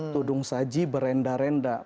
tudung saji berenda renda